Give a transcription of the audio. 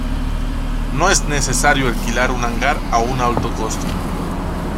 No es necesario alquilar un hangar a un alto costo.